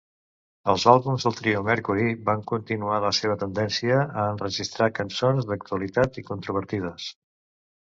Els àlbums del trio Mercury van continuar la seva tendència a enregistrar cançons d'actualitat i controvertides.